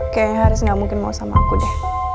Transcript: kayaknya haris gak mungkin mau sama aku deh